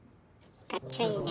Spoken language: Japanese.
かっちょいいね。